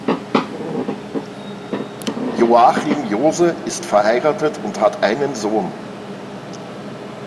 Joachim Jose ist verheiratet und hat einen Sohn.